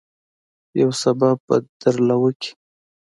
يو سبب به درله وکي.